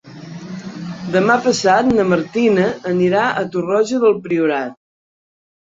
Demà passat na Martina anirà a Torroja del Priorat.